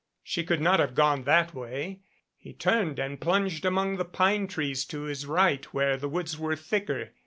She could not have gone that way. He turned and plunged among the pine trees to his right where the woods were thicker.